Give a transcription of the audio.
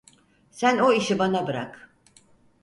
Sen o işi bana bırak.